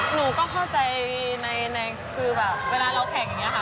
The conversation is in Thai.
หนูก็เข้าใจในคือแบบเวลาเราแข่งอย่างนี้ค่ะ